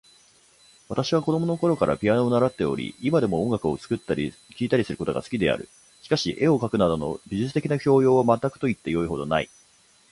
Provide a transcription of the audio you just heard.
私は子供のころからピアノを習っており、今でも音楽を作ったり聴いたりすることが好きである。しかし、絵を描くなどの美術的な教養は全くと言ってよいほどない。